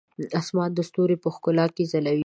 اسمان د ستورو په ښکلا کې ځلوي.